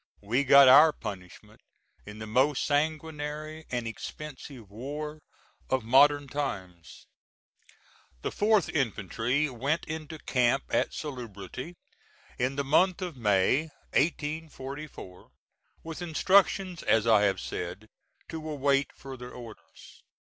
We got our punishment in the most sanguinary and expensive war of modern times. The 4th infantry went into camp at Salubrity in the month of May, 1844, with instructions, as I have said, to await further orders.